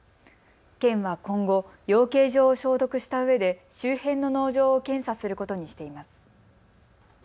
県は今後、養鶏場を消毒したうえで周辺の農場を検査することにしています。